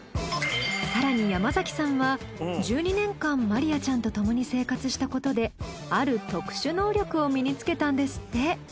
更に山崎さんは１２年間マリヤちゃんと共に生活したことである特殊能力を身につけたんですって。